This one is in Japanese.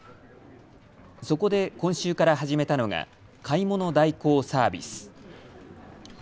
そこで今週から始めたのが買い物代行サービス。